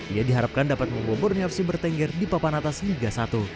ia diharapkan dapat membawa borneo fc bertengger di papan atas liga satu